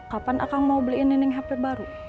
kapan akang mau beliin nining hp baru